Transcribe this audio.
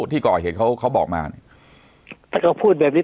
ที่ก่อเหตุเขาเขาเขาบอกมาจะเขาพูดแบบนี้